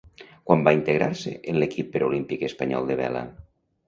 Quan va integrar-se en l'Equip Preolímpic Espanyol de Vela?